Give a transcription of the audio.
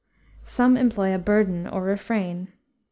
Some employ a burden or refrain.